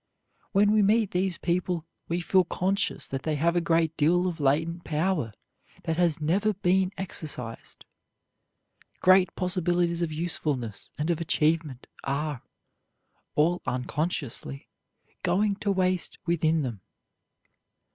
When we meet these people we feel conscious that they have a great deal of latent power that has never been exercised. Great possibilities of usefulness and of achievement are, all unconsciously, going to waste within them.